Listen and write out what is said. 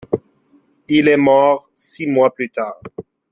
Il est mort six mois plus tard.